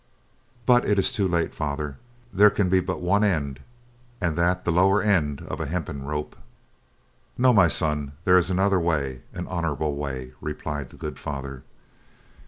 But it is too late, Father, there can be but one end and that the lower end of a hempen rope." "No, my son, there is another way, an honorable way," replied the good Father.